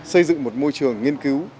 xây dựng một môi trường nghiên cứu